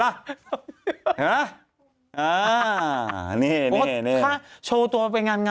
ถ้าโชว์ตัวเป็นงานนะ